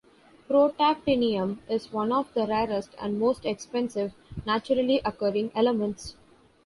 Protactinium is one of the rarest and most expensive naturally occurring elements.